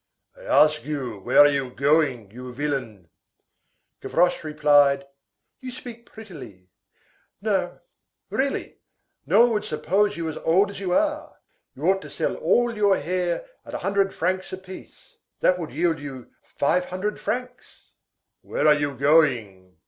"I ask you where are you going, you villain?" Gavroche replied:— "You speak prettily. Really, no one would suppose you as old as you are. You ought to sell all your hair at a hundred francs apiece. That would yield you five hundred francs." "Where are you going?